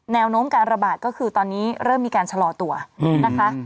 แนวโน้มการระบาดก็คือตอนนี้เริ่มมีการชะลอตัวนะคะ